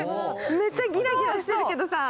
めちゃギラギラしてるけどさ。